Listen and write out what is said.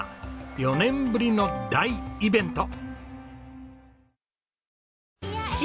４年ぶりの大イベント！